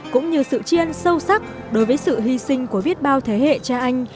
cũng như sự chiên sâu sắc đối với sự hy sinh của biết bao thế hệ cha anh